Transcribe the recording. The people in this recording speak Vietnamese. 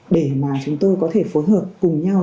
để mà chúng tôi có thể phối hợp cùng nhau